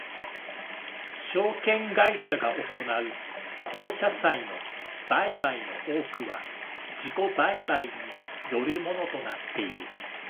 証券会社が行う公社債の売買の多くは自己売買によるものとなっている。